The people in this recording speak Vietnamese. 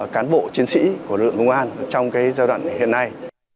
cán bộ chiến sĩ của lực lượng công an trong giai đoạn hiện nay